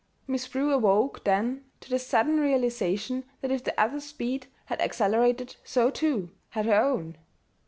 Miss Prue awoke then to the sudden realization that if the other's speed had accelerated, so, too, had her own.